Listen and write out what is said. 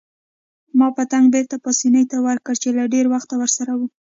ما پتک بیرته پاسیني ته ورکړ چې له ډیر وخته ورسره وو.